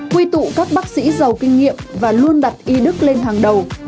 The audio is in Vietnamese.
quy tụ các bác sĩ giàu kinh nghiệm và luôn đặt y đức lên hàng đầu